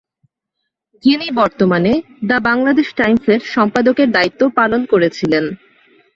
যিনি বর্তমানে "দ্য বাংলাদেশ টাইমস-এর" সম্পাদকের দায়িত্ব পালন করেছিলেন।